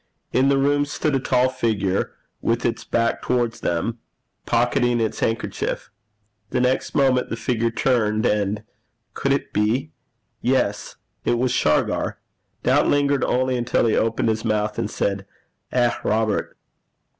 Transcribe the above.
In the room stood a tall figure, with its back towards them, pocketing its handkerchief. The next moment the figure turned, and could it be? yes, it was Shargar. Doubt lingered only until he opened his mouth, and said 'Eh, Robert!'